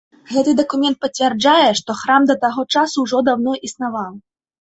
Гэты дакумент пацвярджае, што храм да таго часу ўжо даўно існаваў.